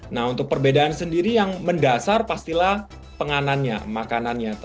nah untuk perbedaan sendiri yang mendasar pastilah penganannya makanannya